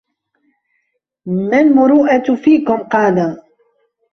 مَا الْمُرُوءَةُ فِيكُمْ ؟ قَالَ